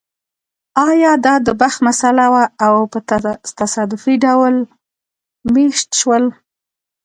ایا دا د بخت مسئله وه او په تصادفي ډول مېشت شول